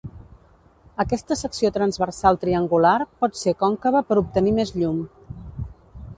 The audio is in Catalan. Aquesta secció transversal triangular pot ser còncava per obtenir més llum.